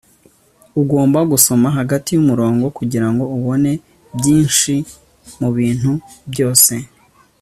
ugomba gusoma hagati yumurongo kugirango ubone byinshi mubintu byose